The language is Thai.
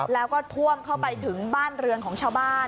แล้วก็ท่วมเข้าไปถึงบ้านเรือนของชาวบ้าน